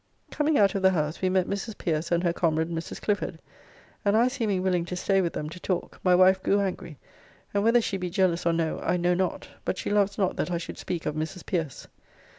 Coming out of the house we met Mrs. Pierce and her comrade Mrs. Clifford, and I seeming willing to stay with them to talk my wife grew angry, and whether she be jealous or no I know, not, but she loves not that I should speak of Mrs. Pierce.